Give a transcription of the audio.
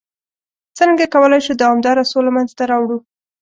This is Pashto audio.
څرنګه کولای شو دوامداره سوله منځته راوړ؟